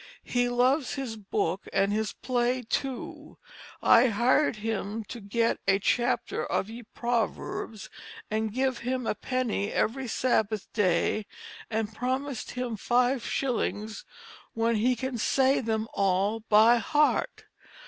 He loves his book and his play too. I hired him to get a Chapter of ye Proverbs & give him a penny every Sabbath day, & promised him 5 shillings when he can say them all by heart.